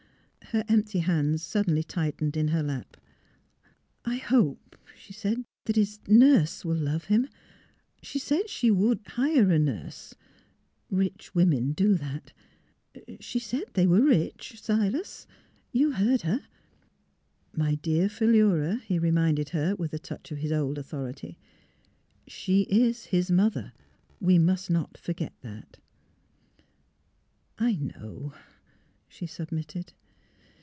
Her empty hands suddenly tightened in her lap. '' I hope, '' she said, '' that his nurse — will love him. — She said she would — hire a nurse; rich women do that. She said — they were rich, Silas. You heard her? "" My dear Philura," he reminded her, with a touch of his old authority. '' She is his mother. We must not forget that." " I know," she submitted.